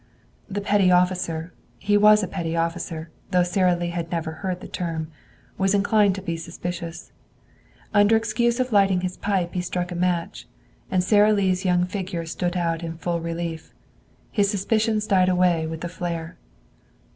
The petty officer he was a petty officer, though Sara Lee had never heard the term was inclined to be suspicious. Under excuse of lighting his pipe he struck a match, and Sara Lee's young figure stood out in full relief. His suspicions died away with the flare.